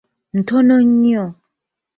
Ntono nnyo.